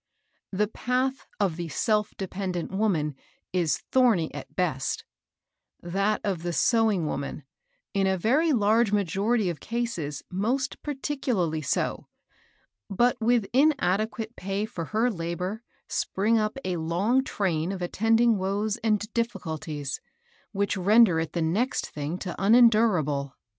The path of the self dependent wom^n is thorny at best; that of the sewing woman, in a very large majority oi cases, most particularly so ; but with inad equate pay for her labor spring up a long train of attending woes and difficulties, which render it the next thing to unendurable.